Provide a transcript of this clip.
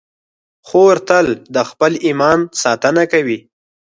خور تل د خپل ایمان ساتنه کوي.